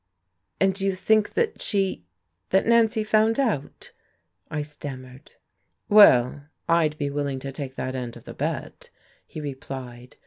"And do you think that she that Nancy found out ?" I stammered. "Well, I'd be willing to take that end of the bet," he replied.